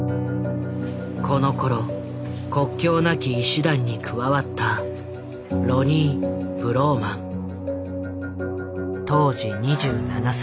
このころ国境なき医師団に加わった当時２７歳。